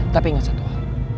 tapi ingat satu hal